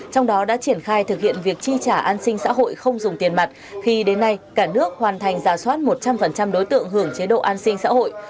trong đó đã triển khai thực hiện việc chi trả an sinh xã hội không dùng tiền mặt khi đến nay cả nước hoàn thành giả soát một trăm linh đối tượng hưởng chế độ an sinh xã hội